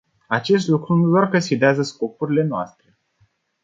Acest lucru nu doar că sfidează scopurile noastre.